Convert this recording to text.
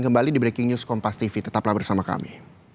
kembali di breaking news kompas tv tetaplah bersama kami